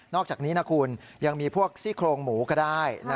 อกจากนี้นะคุณยังมีพวกซี่โครงหมูก็ได้